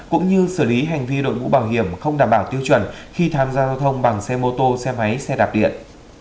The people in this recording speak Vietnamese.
cũng như xử lý hành vi đội mũ bảo hiểm không đảm bảo tiêu chuẩn khi tham gia giao thông bằng xe mô tô xe máy xe đạp điện